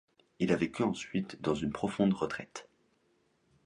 Il vécut ensuite dans une profonde retraite.